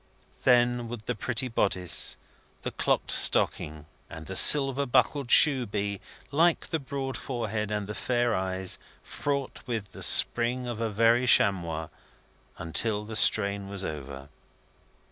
Then would the pretty bodice, the clocked stocking, and the silver buckled shoe be, like the broad forehead and the bright eyes, fraught with the spring of a very chamois, until the strain was over.